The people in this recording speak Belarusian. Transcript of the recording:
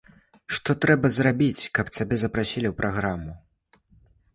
Што трэба зрабіць, каб цябе запрасілі ў праграму?